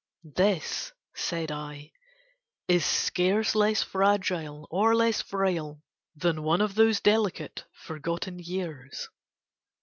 "This," said I, "is scarce less fragile or less frail than one of those delicate forgotten years."